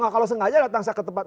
kalau sengaja datang saya khawatir